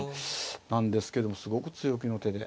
なんですけどもすごく強気の手で。